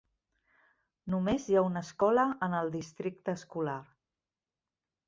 Només hi ha una escola en el districte escolar.